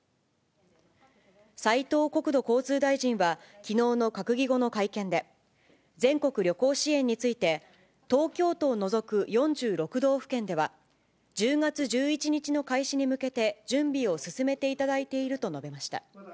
斉藤国土交通大臣は、きのうの閣議後の会見で、全国旅行支援について、東京都を除く４６道府県では、１０月１１日の開始に向けて準備を進めていただいていると述べました。